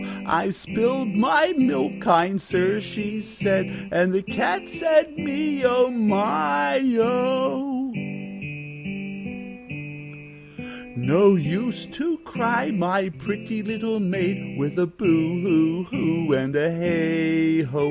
'I've spilled my milk, kind sir,' she said, And the Cat said, 'Me oh! my oh!' 'No use to cry, my pretty little maid, With a Boo hoo hoo and a Heigho.'